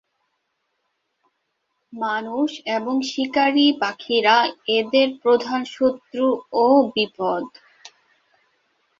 মানুষ এবং শিকারি পাখিরা এদের প্রধান শত্রু ও বিপদ।